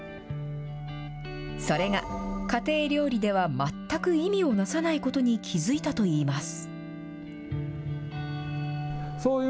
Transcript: それが、家庭料理では全く意味をなさないことに気付いたといいます。